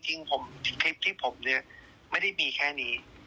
คลิปที่ผมเนี่ยไม่ได้มีแค่นี้